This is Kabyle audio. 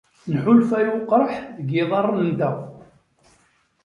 Nḥulfa i weqraḥ deg yiḍarren-nteɣ.